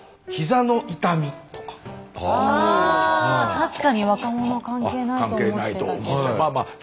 確かに若者は関係ないと思ってたけど。